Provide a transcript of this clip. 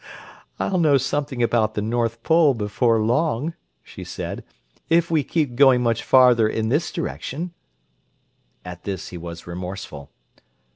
"I'll know something about the North Pole before long," she said, "if we keep going much farther in this direction!" At this he was remorseful.